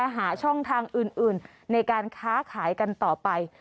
หาช่องทางอื่นในการค้าขายกันต่อไป